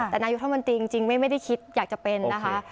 แต่นายุทธมนตรีจริงไม่ได้คิดอยากจะเป็นนะคะ